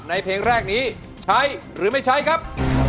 เพลงแรกนี้ใช้หรือไม่ใช้ครับ